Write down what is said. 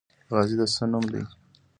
غازی د څه نوم دی؟